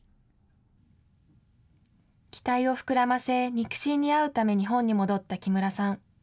期待を膨らませ肉親に会うため日本に戻った木村さん。